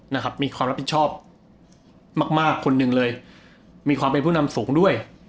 นะครับมีความรับผิดชอบมากมากคนหนึ่งเลยมีความเป็นผู้นำสูงด้วย